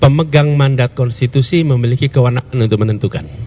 pemegang mandat konstitusi memiliki kewenangan untuk menentukan